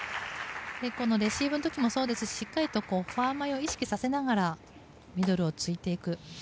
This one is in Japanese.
このレシーブの時もそうですししっかりとフォア前を意識させながらミドルをついていく。